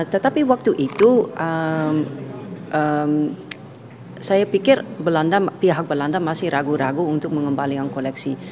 tetapi waktu itu saya pikir pihak belanda masih ragu ragu untuk mengembalikan koleksi